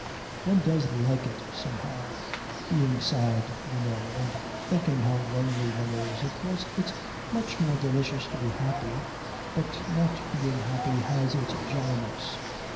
"One does like it somehow being sad, you know, and thinking how lonely one is. Of course it's much more delicious to be happy, but not being happy has its jollinesses.